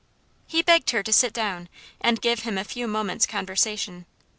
He begged her to sit down and give him a few moments' conversation.